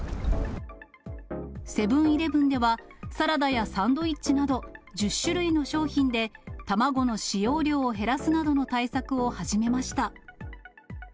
セブンーイレブンでは、サラダやサンドイッチなど、１０種類の商品で、卵の使用量を減らすなどの対策を始めました。